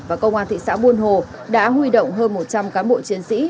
và công an thị xã buôn hồ đã huy động hơn một trăm linh cán bộ chiến sĩ